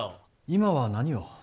今は何を？